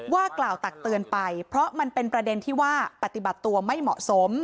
ว่ากล่าวตักเตือนไปเพราะมันเป็นประเด็นที่ว่าปฏิบัติตัวไม่เหมาะสม